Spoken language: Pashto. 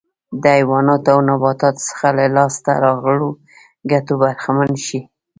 د حیواناتو او نباتاتو څخه له لاسته راغلو ګټو برخمن شي.